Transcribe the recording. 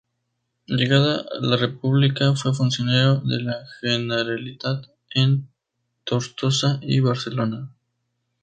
Llegada la República, fue funcionario de la Generalitat en Tortosa y en Barcelona.